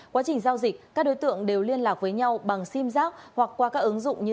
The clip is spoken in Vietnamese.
quá trình giao dịch các đối tượng đều liên lạc với nhau bằng sim giác hoặc qua các ứng dụng như